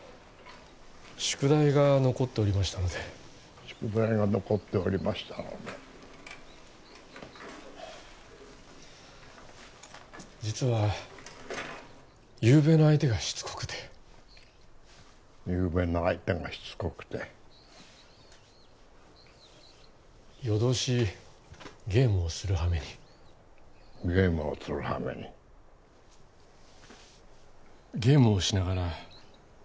宿題が残っておりましたので宿題が残っておりましたので実はゆうべの相手がしつこくてゆうべの相手がしつこくて夜通しゲームをするはめにゲームをするはめにゲームをしながら会社を立ち上げた頃のことを思い出しました